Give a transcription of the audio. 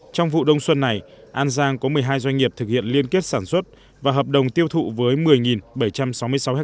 trong vụ đông xuân này an giang có một mươi hai doanh nghiệp thực hiện liên kết sản xuất và hợp đồng tiêu thụ với một mươi bảy trăm sáu mươi sáu ha